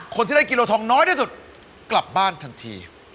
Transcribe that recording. คนที่ได้กิโลทองน้อยที่สุดกลับบ้านทันที